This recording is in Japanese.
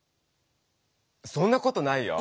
そんなことないよ。